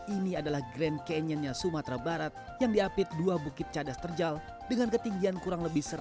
ini adalah grand canyonnya sumatera barat yang diapit dua bukit cadas terjal dengan ketinggian kurang lebih satu ratus lima puluh meter